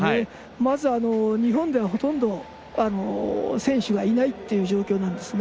まず、日本ではほとんど選手がいないという状況なんですね。